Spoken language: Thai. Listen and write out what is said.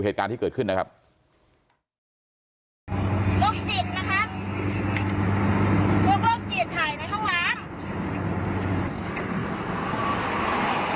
ก็จะได้เจียดถ่ายในห้องล้าง